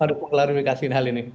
harus mengklarifikasi hal ini